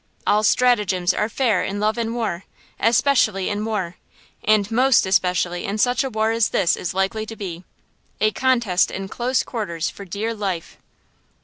All stratagems are fair in love and war–especially in war, and most especially in such a war as this is likely to be–a contest in close quarters for dear life!"